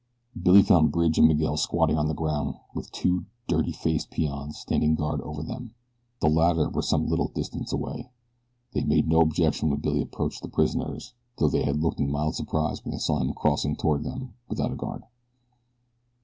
Billy found Bridge and Miguel squatting on the ground with two dirty faced peons standing guard over them. The latter were some little distance away. They made no objection when Billy approached the prisoners though they had looked in mild surprise when they saw him crossing toward them without a guard.